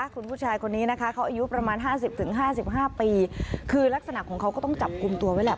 คุณผู้ชายคนนี้นะคะเขาอายุประมาณ๕๐๕๕ปีคือลักษณะของเขาก็ต้องจับกลุ่มตัวไว้แหละ